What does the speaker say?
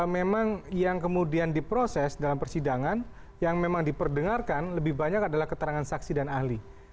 memang yang kemudian diproses dalam persidangan yang memang diperdengarkan lebih banyak adalah keterangan saksi dan ahli